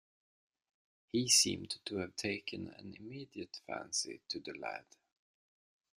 He seemed to have taken an immediate fancy to the lad.